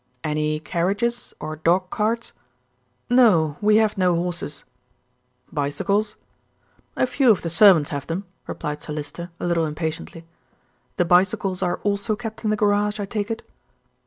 "Any carriages, or dog carts?" "No. We have no horses." "Bicycles?" "A few of the servants have them," replied Sir Lyster, a little impatiently. "The bicycles are also kept in the garage, I take it?"